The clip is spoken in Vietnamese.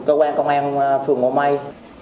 cơ quan công an phường ngô mây